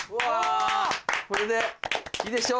これでいいでしょう。